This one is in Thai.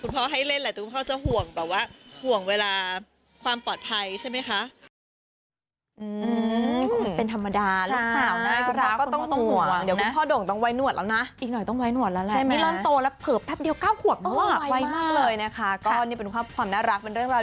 พ่อให้เล่นแหละแต่คุณพ่อจะห่วงแบบว่าห่วงเวลาความปลอดภัยใช่ไหมคะ